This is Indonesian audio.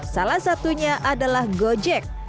salah satunya adalah gojek